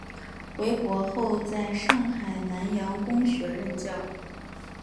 回国后在上海南洋公学任教。